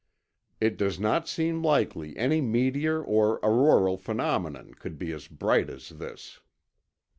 It does not seem likely any meteor or auroral phenomenon could be as bright as this."